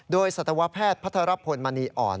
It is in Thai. โดยศัษฐาวะแพทย์พัทรพลมันนีอ่อน